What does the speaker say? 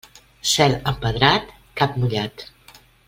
Cel empedrat, camp mullat.